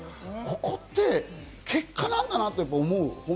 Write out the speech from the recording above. ここって結果なんだと思う。